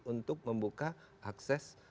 untuk membuka akses